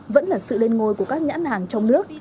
vẫn là sự lên ngôi của các nhãn hàng trong nước